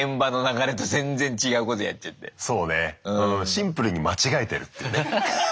シンプルに間違えてるっていうね。